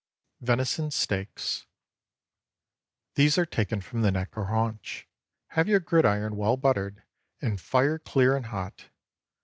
VENISON STEAKS. ✠ These are taken from the neck or haunch. Have your gridiron well buttered, and fire clear and hot.